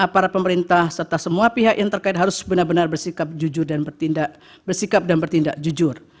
para pemerintah serta semua pihak yang terkait harus benar benar bersikap jujur dan bersikap dan bertindak jujur